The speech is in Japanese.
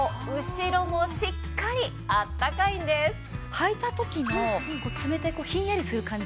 はいた時の冷たいひんやりする感じ